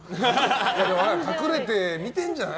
でも隠れて見てるんじゃない？